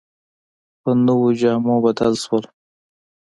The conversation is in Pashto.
په نویو جامو بدل شول.